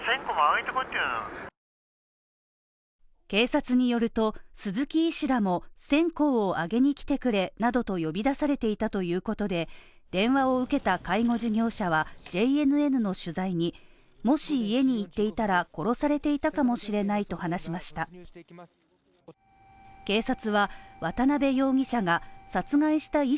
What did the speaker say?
警察によると、鈴木医師らも線香を上げにきてくれなどと呼び出されていたということで、電話を受けた介護事業者はＪＮＮの取材にもし家に行っていたら殺されていたかもしれないと話しました。